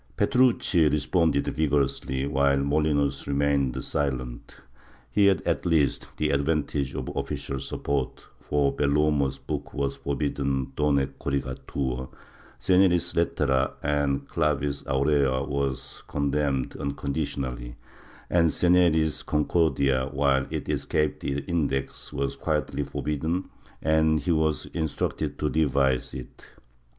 Petrucci responded vigorously, while Molinos remained silent. He had, at least, the advantage of official sup port, for Beir Uomo's book was forbidden donee corrigatur; Seg neri's "Lettera" and the "Clavis Aurea" were condemned uncon ditionally, and Segneri's "Concordia," while it escaped the Index, was quietly forbidden and he w^as instructed to revise it.